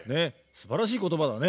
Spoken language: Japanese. すばらしい言葉だね。